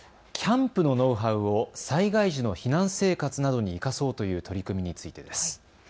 キャンプのノウハウを災害時の避難生活などに生かそうという取り組みについてです。